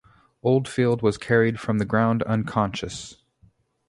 Oldfield was carried from the ground unconscious.